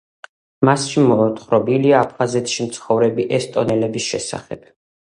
მასში მოთხრობილია აფხაზეთში მცხოვრები ესტონელების შესახებ.